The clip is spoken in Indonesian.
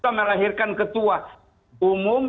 kita melahirkan ketua umum